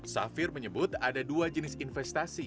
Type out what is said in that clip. safir menyebut ada dua jenis investasi